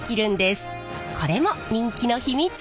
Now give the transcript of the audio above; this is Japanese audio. これも人気の秘密。